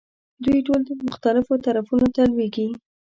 دوی ټول مختلفو طرفونو ته لویېږي.